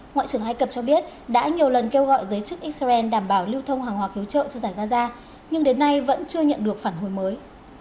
ngoại trưởng ai cập cho biết đã nhiều lần kêu gọi giới chức israel đảm bảo lưu thông hàng hòa cứu trợ cho giải gaza nhưng đến nay vẫn chưa nhận được phản hồi mới